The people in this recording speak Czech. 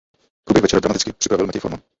Průběh večera dramaticky připravil Matěj Forman.